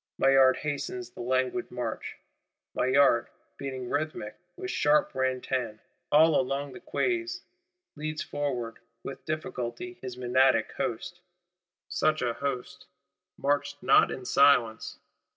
Maillard hastens the languid march. Maillard, beating rhythmic, with sharp ran tan, all along the Quais, leads forward, with difficulty his Menadic host. Such a host—marched not in silence!